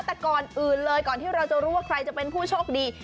แต่ก่อนอื่นเลยก่อนที่เราจะรู้ว่าใครจะเป็นผู้โชคดี